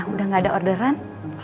udah gak ada orderan